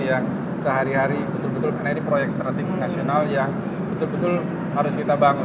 yang sehari hari betul betul karena ini proyek strategi nasional yang betul betul harus kita bangun